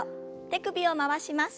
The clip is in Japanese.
手首を回します。